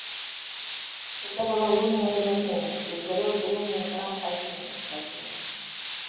когда было лунное затмение и сгорел древний храм Афины в Афинах